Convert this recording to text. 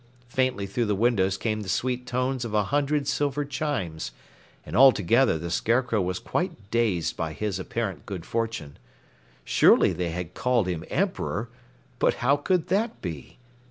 Faintly through the windows came the sweet tones of a hundred silver chimes, and altogether the Scarecrow was quite dazed by his apparent good fortune. Surely they had called him Emperor, but how could that be?